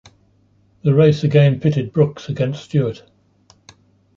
The race again pitted Brooks against Stewart.